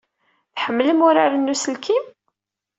Tḥemmlem uraren n uselkim?